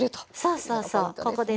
そうそうそうここでね。